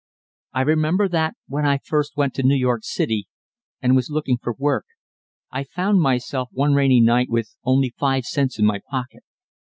I remember that when I first went to New York, and was looking for work, I found myself one rainy night with only five cents in my pocket.